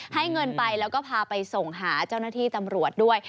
ให้เงินไปแล้วก็พาไปส่งหาเจ้าหน้าที่ตำรวจด้วย